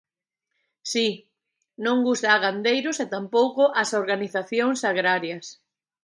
Si, non gusta a gandeiros e tampouco ás organizacións agrarias.